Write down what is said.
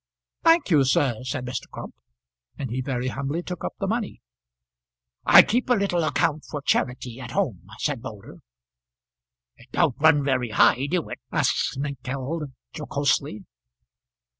"Thank you, sir," said Mr. Crump; and he very humbly took up the money. "I keep a little account for charity at home," said Moulder. "It don't run very high, do it?" asked Snengkeld, jocosely.